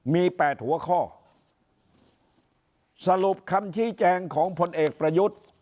มีแปดหัวข้อสรุปคำชี้แจงของพลเอกประยุทธ์